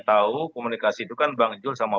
tahu komunikasi itu kan bang jul sama